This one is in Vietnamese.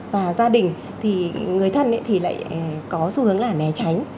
và gia đình thì người thân thì lại có xu hướng là né tránh